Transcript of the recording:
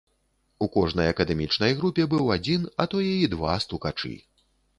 У кожнай акадэмічнай групе быў адзін, а тое і два стукачы.